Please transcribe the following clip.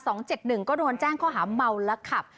สองเจ็ดหนึ่งก็โดนแจ้งเขาหาเหมาแล้ว